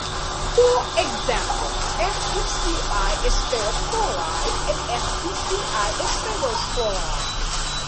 For example, FeCl is ferric chloride and FeCl is ferrous chloride.